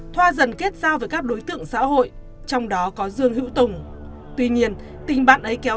thoa dần kết giao với các đối tượng xã hội trong đó có dương hữu tùng tuy nhiên tình bạn ấy kéo